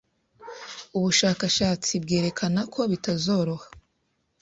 Ubushakashatsi bwerekana ko bitazoroha